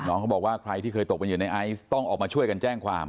น้องก็บอกว่าใครที่เคยตกใจอยู่ในไอซ์ต้องมาช่วยแจ้งความ